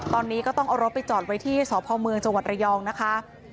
ตอนนี้ก็ต้องเอารถไปจอดไว้ที่สพจระยองนะคะ